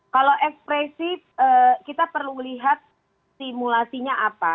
kalau ekspresi kita perlu lihat simulasinya apa